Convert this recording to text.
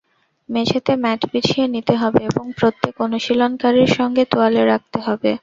মেঝেতে ম্যাট বিছিয়ে নিতে হবে এবং প্রত্যেক অনুশীলনকারীর সঙ্গে তোয়ালে রাখতে হবে।